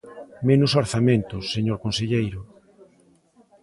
Menos orzamentos, señor conselleiro.